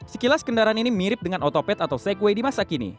sekilas kendaraan ini mirip dengan otopet atau segway di masa kini